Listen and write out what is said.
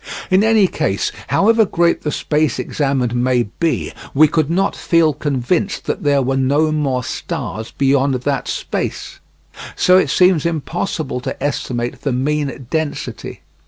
In any case, however great the space examined may be, we could not feel convinced that there were no more stars beyond that space. So it seems impossible to estimate the mean density.